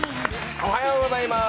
おはようございます。